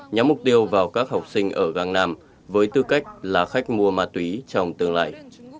nhắm mục tiêu vào các học sinh ở gang nam với tư cách là khách mua ma túy trong tương lai